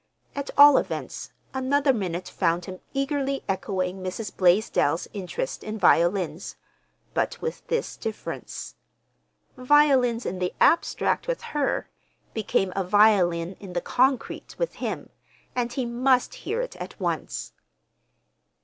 At all events, another minute found him eagerly echoing Mrs. Blaisdell's interest in violins—but with this difference: violins in the abstract with her became A violin in the concrete with him; and he must hear it at once.